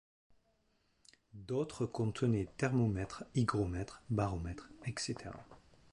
D’autres contenaient thermomètre, hygromètre, baromètre, etc.